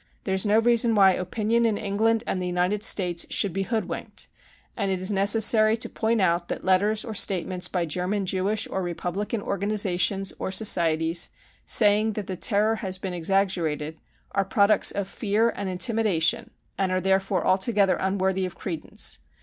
There is no reason why opinion in England and the United States should be hoodwinked, and it is necessary to point out that letters or statements by German Jewish or Republican organisations or Societies saying that the Terror has been exaggerated are pro ducts of fear and intimidation and are therefore alto gether unworthy of credence.